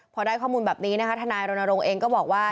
พอได้ข้อมูลแบบนี้นะคะทนายรณรงค์เองก็บอกว่า